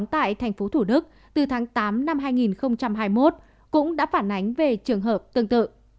tại thành phố thủ đức từ tháng tám năm hai nghìn hai mươi một cũng đã phản ánh về trường hợp tương tự